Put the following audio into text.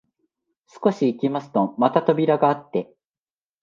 少し行きますとまた扉があって、